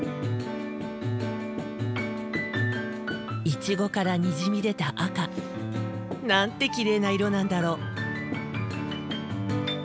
イチゴからにじみ出た赤。なんてきれいな色なんだろう。